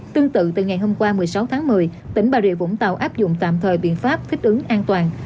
tương tự từ ngày hôm qua một mươi sáu tháng một mươi tỉnh bà rịa vũng tàu áp dụng tạm thời biện pháp thích ứng an toàn